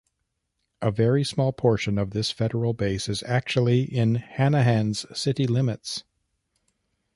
A very small portion of this federal base is actually in Hanahan's city limits.